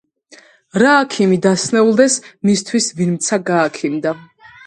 რა აქიმი დასნეულდეს, მისთვის ვინმცა გააქიმდა!